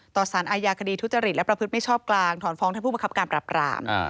สารอาญาคดีทุจริตและประพฤติไม่ชอบกลางถอนฟ้องท่านผู้บังคับการปรับราม